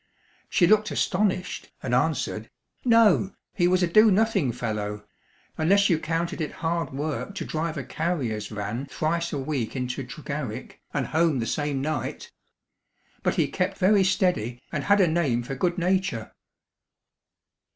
She looked astonished, and answered, "No: he was a do nothing fellow unless you counted it hard work to drive a carrier's van thrice a week into Tregarrick, and home the same night. But he kept very steady, and had a name for good nature."